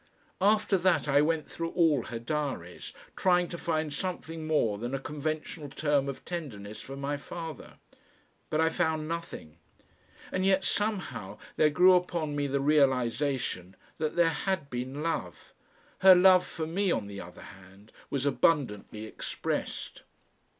After that I went through all her diaries, trying to find something more than a conventional term of tenderness for my father. But I found nothing. And yet somehow there grew upon me the realisation that there had been love.... Her love for me, on the other hand, was abundantly expressed.